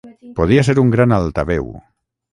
Podia ser un gran altaveu.